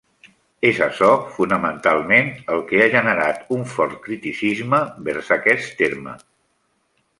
És açò, fonamentalment, el que ha generat un fort criticisme vers aquest terme.